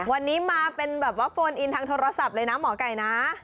วันนี้มาเป็นแบบว่าโฟนอินทางโทรศัพท์เลยนะหมอไก่นะ